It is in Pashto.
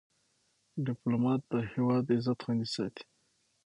ډيپلومات د هیواد عزت خوندي ساتي.